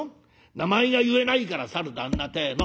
名前が言えないから『さる旦那』てえの」。